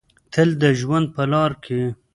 تل د ژوند په لاره کې